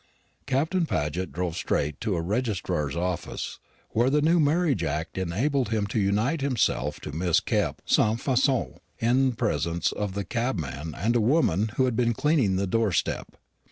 Captain Paget drove straight to a registrar's office, where the new Marriage Act enabled him to unite himself to Miss Kepp sans façon, in presence of the cabman and a woman who had been cleaning the door step.